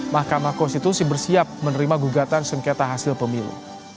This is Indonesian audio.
mahkamah konstitusi bersiap menerima gugatan sengketa hasil pemilu